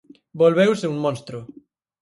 volveuse un monstro